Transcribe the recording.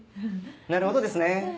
なるほどですね。